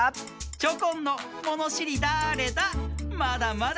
チョコンの「ものしりだれだ？」